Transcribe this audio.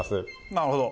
なるほど。